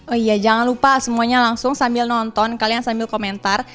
oh iya jangan lupa semuanya langsung sambil nonton kalian sambil komentar